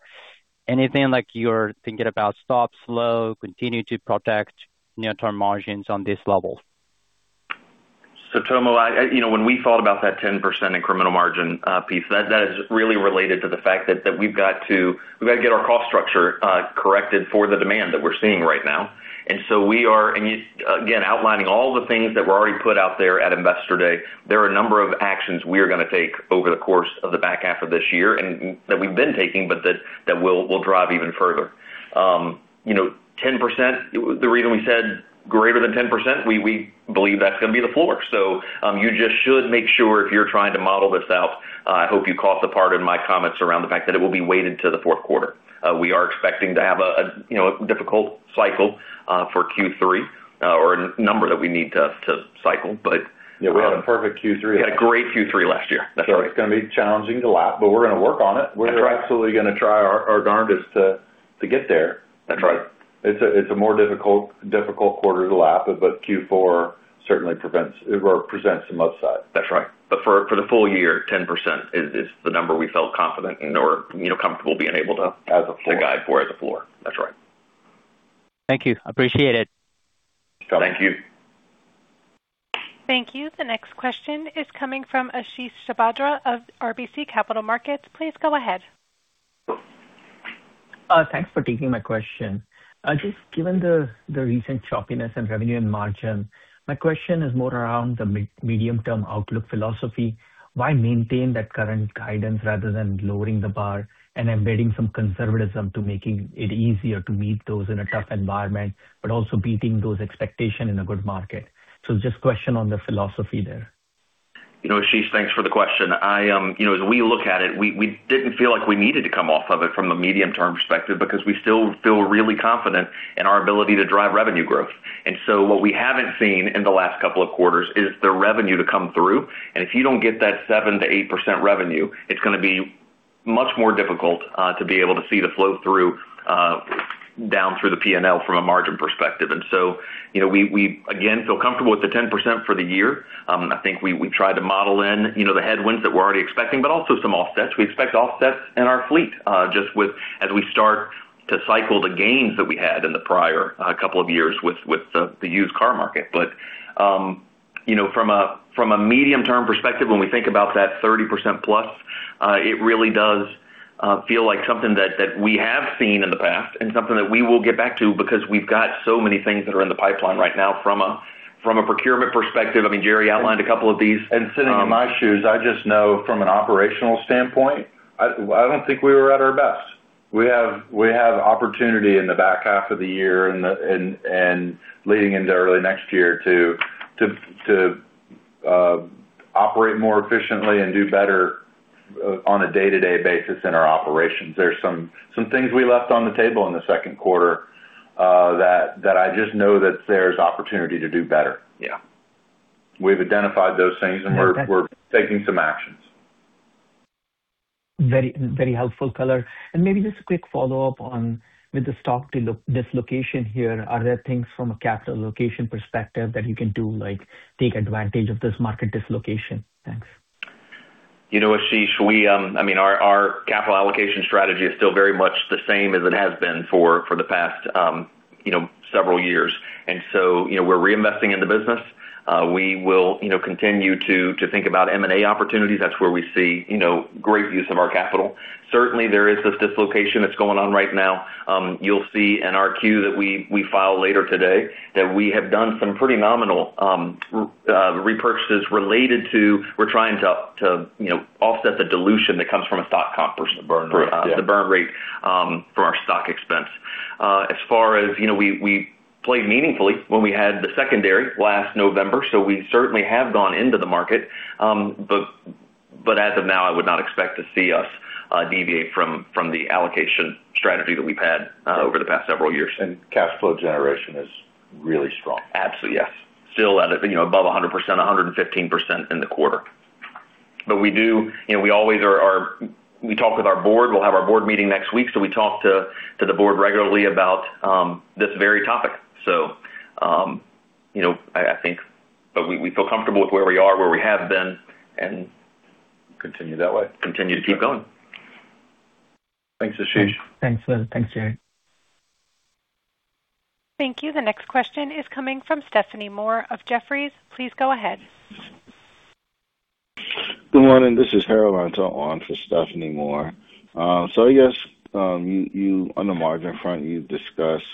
anything like you're thinking about stop slow, continue to protect near-term margins on this level. Tomo, when we thought about that 10% incremental margin piece, that is really related to the fact that we've got to get our cost structure corrected for the demand that we're seeing right now. We are, again, outlining all the things that were already put out there at Investor Day. There are a number of actions we are going to take over the course of the back half of this year, and that we've been taking, but that will drive even further. 10%, the reason we said greater than 10%, we believe that's going to be the floor. You just should make sure if you're trying to model this out, I hope you caught the part in my comments around the fact that it will be weighted to the fourth quarter. We are expecting to have a difficult cycle for Q3 or a number that we need to cycle. Yeah, we had a perfect Q3. We had a great Q3 last year. That's right. It's going to be challenging to lap, but we're going to work on it. We're absolutely going to try our darnedest to get there. That's right. It's a more difficult quarter to lap. Q4 certainly presents some upside. That's right. For the full year, 10% is the number we felt confident in or comfortable being able. As a floor. to guide for as a floor. That's right. Thank you. Appreciate it. Thank you. Thank you. The next question is coming from Ashish Sabadra of RBC Capital Markets. Please go ahead. Thanks for taking my question. I just, given the recent choppiness in revenue and margin, my question is more around the medium-term outlook philosophy. Why maintain that current guidance rather than lowering the bar and embedding some conservatism to making it easier to meet those in a tough environment, but also beating those expectation in a good market? Just a question on the philosophy there. Ashish, thanks for the question. As we look at it, we didn't feel like we needed to come off of it from the medium-term perspective because we still feel really confident in our ability to drive revenue growth. What we haven't seen in the last couple of quarters is the revenue to come through, and if you don't get that 7%-8% revenue, it's going to be much more difficult to be able to see the flow through down through the P&L from a margin perspective. We again feel comfortable with the 10% for the year. I think we tried to model in the headwinds that we're already expecting, but also some offsets. We expect offsets in our fleet as we start to cycle the gains that we had in the prior couple of years with the used car market. From a medium-term perspective, when we think about that 30% plus, it really does feel like something that we have seen in the past and something that we will get back to because we've got so many things that are in the pipeline right now from a procurement perspective. Jerry outlined a couple of these. Sitting in my shoes, I just know from an operational standpoint, I don't think we were at our best. We have opportunity in the back half of the year and leading into early next year to operate more efficiently and do better on a day-to-day basis in our operations. There's some things we left on the table in the second quarter that I just know that there's opportunity to do better. Yeah. We've identified those things and we're taking some actions. Very helpful color. Maybe just a quick follow-up on with the stock dislocation here, are there things from a capital allocation perspective that you can do, like take advantage of this market dislocation? Thanks. Ashish, our capital allocation strategy is still very much the same as it has been for the past several years. We're reinvesting in the business. We will continue to think about M&A opportunities. That's where we see great use of our capital. Certainly, there is this dislocation that's going on right now. You'll see in our Q that we file later today that we have done some pretty nominal repurchases related to we're trying to offset the dilution that comes from a stock comp burn rate- Burn rate, yeah The burn rate for our stock expense. We played meaningfully when we had the secondary last November, we certainly have gone into the market. As of now, I would not expect to see us deviate from the allocation strategy that we've had over the past several years. Cash flow generation is really strong. Absolutely, yes. Still above 100%, 115% in the quarter. We talk with our board. We'll have our board meeting next week, we talk to the board regularly about this very topic. I think we feel comfortable with where we are, where we have been. Continue that way. Continue to keep going. Thanks, Ashish. Thanks, Will. Thanks, Jerry. Thank you. The next question is coming from Stephanie Moore of Jefferies. Please go ahead. Good morning. This is Harold Antor on for Stephanie Moore. I guess, on the margin front, you've discussed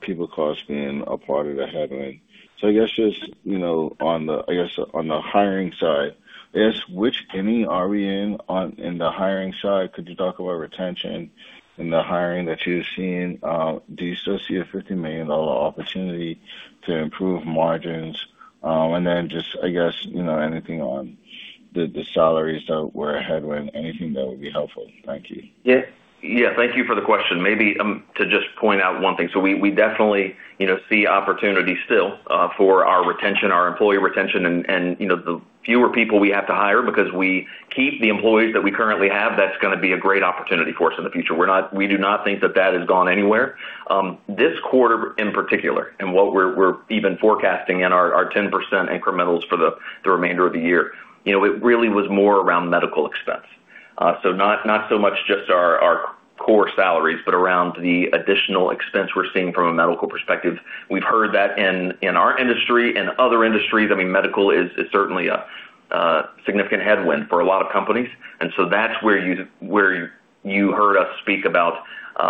people cost being a part of the headwind. I guess just on the hiring side, I guess, which inning are we in on in the hiring side? Could you talk about retention in the hiring that you're seeing? Do you still see a $50 million opportunity to improve margins? Just, I guess, anything on the salaries that were a headwind, anything that would be helpful. Thank you. Yeah. Thank you for the question. Maybe to just point out one thing. We definitely see opportunity still for our retention, our employee retention, and the fewer people we have to hire because we keep the employees that we currently have, that's going to be a great opportunity for us in the future. We do not think that has gone anywhere. This quarter in particular, and what we're even forecasting in our 10% incrementals for the remainder of the year, it really was more around medical expense. Not so much just our core salaries, but around the additional expense we're seeing from a medical perspective. We've heard that in our industry and other industries. Medical is certainly a significant headwind for a lot of companies, that's where you heard us speak about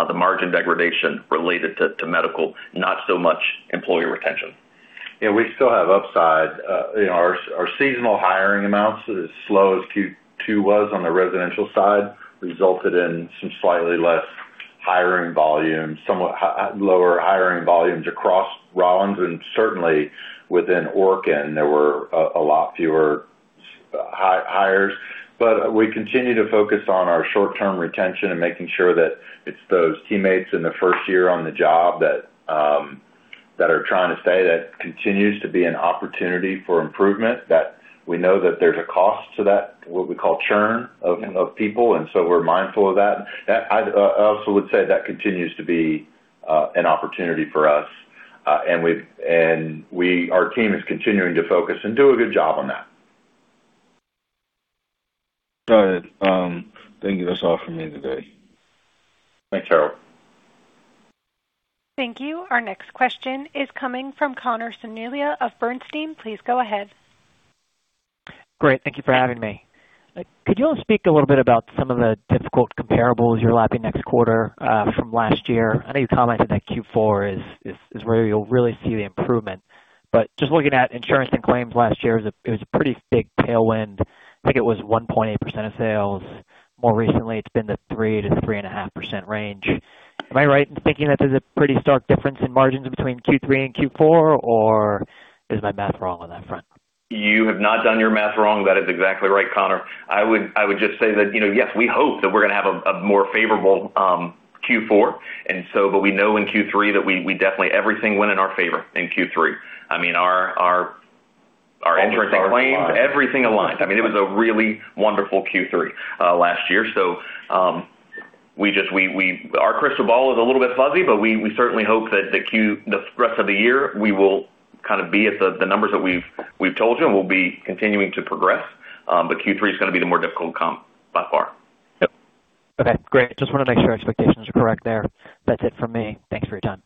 the margin degradation related to medical, not so much employee retention. Yeah, we still have upside. Our seasonal hiring amounts, as slow as Q2 was on the residential side, resulted in some slightly less hiring volumes, somewhat lower hiring volumes across Rollins, and certainly within Orkin, there were a lot fewer hires. We continue to focus on our short-term retention and making sure that it's those teammates in the first year on the job that are trying to stay. That continues to be an opportunity for improvement, that we know that there's a cost to that, what we call churn of people, so we're mindful of that. I also would say that continues to be an opportunity for us. Our team is continuing to focus and do a good job on that. Got it. Thank you. That's all from me today. Thanks, Harold. Thank you. Our next question is coming from Connor Cerniglia of Bernstein. Please go ahead. Great. Thank you for having me. Could you all speak a little bit about some of the difficult comparables you're lapping next quarter from last year? I know you commented that Q4 is where you'll really see the improvement. Just looking at insurance and claims last year, it was a pretty big tailwind. I think it was 1.8% of sales. More recently, it's been the 3%-3.5% range. Am I right in thinking that there's a pretty stark difference in margins between Q3 and Q4, or is my math wrong on that front? You have not done your math wrong. That is exactly right, Connor. I would just say that, yes, we hope that we're going to have a more favorable Q4. We know in Q3 that everything went in our favor in Q3. Our insurance and claims- Everything aligned. Everything aligned. It was a really wonderful Q3 last year. Our crystal ball is a little bit fuzzy, but we certainly hope that the rest of the year, we will be at the numbers that we've told you, and we'll be continuing to progress. Q3 is going to be the more difficult comp by far. Yep. Okay, great. Just wanted to make sure expectations are correct there. That's it from me. Thanks for your time.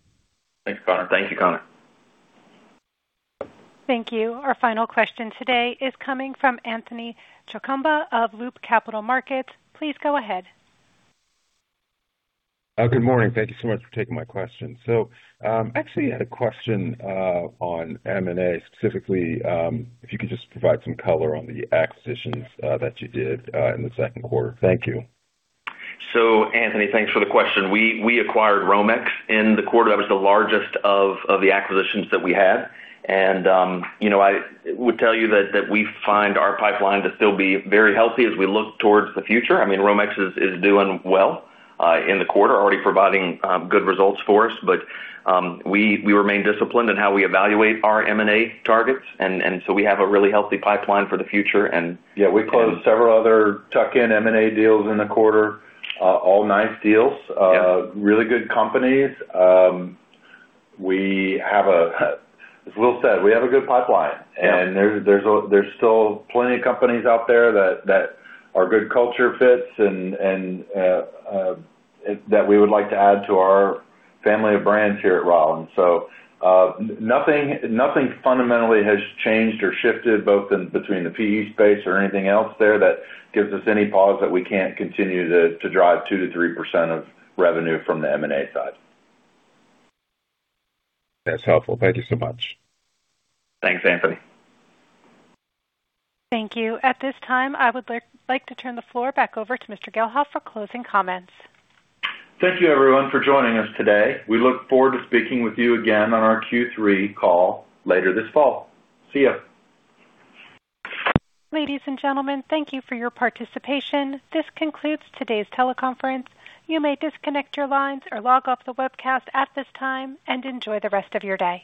Thanks, Connor. Thank you, Connor. Thank you. Our final question today is coming from Anthony Chukumba of Loop Capital Markets. Please go ahead. Good morning. Thank you so much for taking my question. Actually, I had a question on M&A specifically, if you could just provide some color on the acquisitions that you did in the second quarter. Thank you. Anthony Chukumba, thanks for the question. We acquired Romex in the quarter. That was the largest of the acquisitions that we had. I would tell you that we find our pipeline to still be very healthy as we look towards the future. Romex is doing well in the quarter, already providing good results for us. We remain disciplined in how we evaluate our M&A targets. We have a really healthy pipeline for the future. Yeah, we closed several other tuck-in M&A deals in the quarter. All nice deals. Yeah. Really good companies. As Will said, we have a good pipeline. Yeah. There's still plenty of companies out there that are good culture fits and that we would like to add to our family of brands here at Rollins. Nothing fundamentally has changed or shifted, both in between the PE space or anything else there that gives us any pause that we can't continue to drive 2%-3% of revenue from the M&A side. That's helpful. Thank you so much. Thanks, Anthony. Thank you. At this time, I would like to turn the floor back over to Mr. Gahlhoff for closing comments. Thank you, everyone, for joining us today. We look forward to speaking with you again on our Q3 call later this fall. See you. Ladies and gentlemen, thank you for your participation. This concludes today's teleconference. You may disconnect your lines or log off the webcast at this time, enjoy the rest of your day.